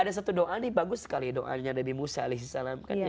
ada satu doa nih bagus sekali doanya nabi musa alisalam